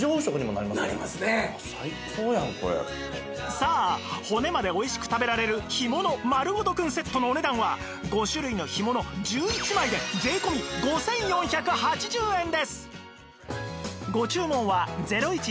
さあ骨までおいしく食べられる干物まるごとくんセットのお値段は５種類の干物１１枚で税込５４８０円です